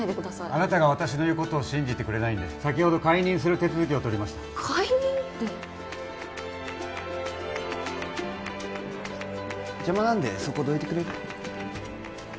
あなたが私の言うことを信じてくれないんで先ほど解任する手続きを取りました「解任」って邪魔なんでそこどいてくれる？